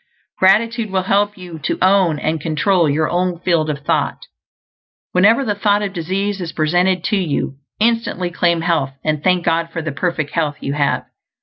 Gratitude will help you to own and control your own field of thought. Whenever the thought of disease is presented to you, instantly claim health, and thank God for the perfect health you have.